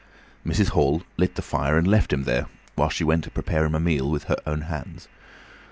Mrs. Hall lit the fire and left him there while she went to prepare him a meal with her own hands.